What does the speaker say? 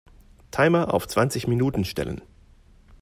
Timer auf zwanzig Minuten stellen.